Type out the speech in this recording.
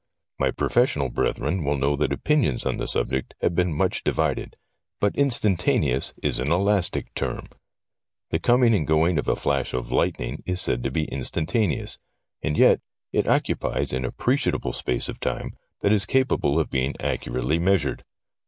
My pro fessional brethren will know that opinions on the subject have been much divided, but ' instantaneous ' is an elastic term. The coming and going of a flash of lightning is said to be instantaneous, and yet it occupies an appreciable space of time that is capable of being accurately measured.